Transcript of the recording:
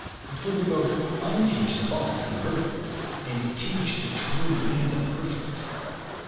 For they both un teach the false and imperfect, and teach the true and the perfect.